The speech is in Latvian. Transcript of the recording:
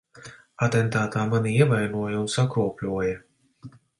Atentātā mani ievainoja un sakropļoja.